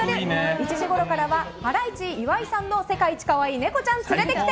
１時ごろからはハライチ岩井の世界一かわいいネコちゃん連れてきて。